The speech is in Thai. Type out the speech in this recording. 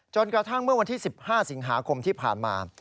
กระทั่งเมื่อวันที่๑๕สิงหาคมที่ผ่านมา